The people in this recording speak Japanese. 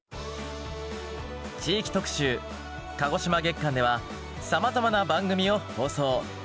地域特集鹿児島月間ではさまざまな番組を放送。